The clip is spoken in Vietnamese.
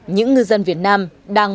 những ngư dân việt nam đang